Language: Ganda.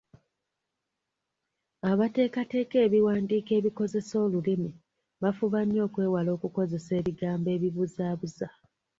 Abateekateeka ebiwandiiko ebikozesa olulimi bafuba nnyo okwewala okukozesa ebigambo ebibuzaabuza.